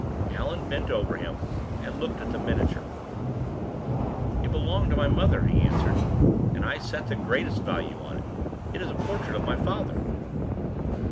Allan bent over him, and looked at the miniature. "It belonged to my mother," he answered; "and I set the greatest value on it. It is a portrait of my father."